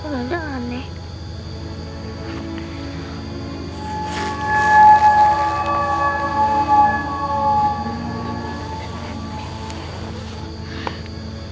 kau tidak aneh